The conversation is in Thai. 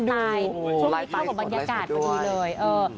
ช่วงนี้เข้ากับบรรยากาศพอดีเลย